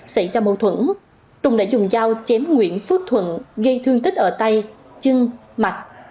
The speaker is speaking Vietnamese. xảy ra mâu thuẫn tùng đã dùng dao chém nguyễn phước thuận gây thương tích ở tay chân mặt